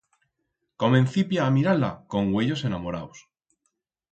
Comencipia a mirar-la con uellos enamoraus.